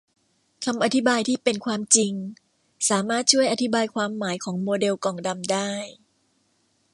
คำอธิบายที่เป็นความจริงสามารถช่วยอธิบายความหมายของโมเดลกล่องดำได้